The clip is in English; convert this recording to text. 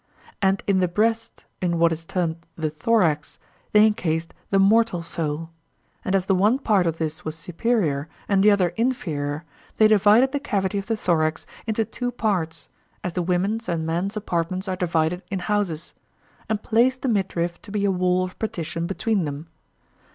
And in the breast, and in what is termed the thorax, they encased the mortal soul; and as the one part of this was superior and the other inferior they divided the cavity of the thorax into two parts, as the women's and men's apartments are divided in houses, and placed the midriff to be a wall of partition between them.